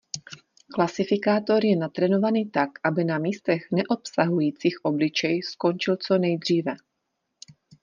Klasifikátor je natrénovaný tak, aby na místech neobsahujících obličej skončil co nejdříve.